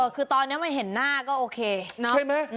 คือตอนนี้มันเห็นหน้าก็โอเค